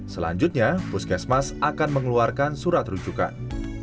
selanjutnya puskesmas akan mengeluarkan surat rujukan